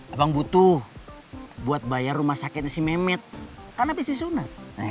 abang butuh buat bayar rumah sakit si mehmet karena bisnisnya